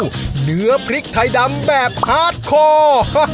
เนื้อพริกไทยดำแบบพาร์ทคอ